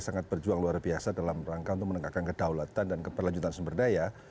sangat berjuang luar biasa dalam rangka untuk menegakkan kedaulatan dan keberlanjutan sumber daya